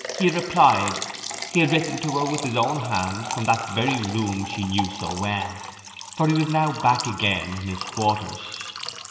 he had replied; he had written to her with his own hand from that very room she knew so well, for he was now back again in his quarters.